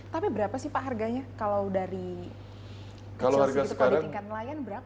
tapi berapa sih pak harganya kalau dari kecil segitu kalau di tingkat nelayan berapa